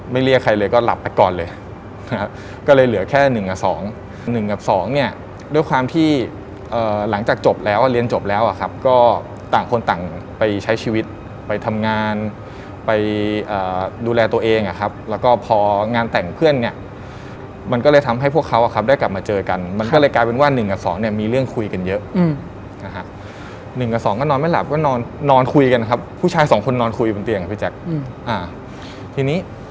เรียกใครเลยก็หลับไปก่อนเลยนะครับก็เลยเหลือแค่๑กับ๒๑กับ๒เนี่ยด้วยความที่หลังจากจบแล้วเรียนจบแล้วอะครับก็ต่างคนต่างไปใช้ชีวิตไปทำงานไปดูแลตัวเองอะครับแล้วก็พองานแต่งเพื่อนเนี่ยมันก็เลยทำให้พวกเขาได้กลับมาเจอกันมันก็เลยกลายเป็นว่า๑กับ๒เนี่ยมีเรื่องคุยกันเยอะนะฮะ๑กับ๒ก็นอนไม่หลับก็นอนนอนคุยกันครับผู้ชายสองคนนอนคุยบนเตียงอ่ะพี่แจ๊คทีนี้